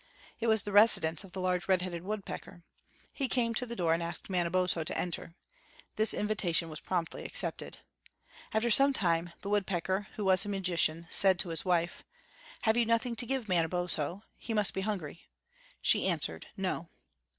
It was the residence of the large red headed woodpecker. He came to the door and asked Manabozho to enter. This invitation was promptly accepted. After some time, the woodpecker, who was a magician, said to his wife: "Have you nothing to give Manabozho? He must be hungry." She answered, "No."